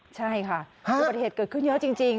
ใช่ค่ะอุบัติเหตุเกิดขึ้นเยอะจริง